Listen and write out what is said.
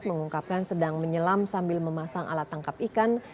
mengungkapkan sedang menyelam sambil memasang alat tangkap ikan